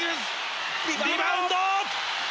リバウンド！